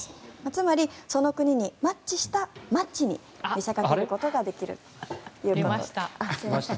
つまりその国にマッチしたマッチに見せかけることができるということです。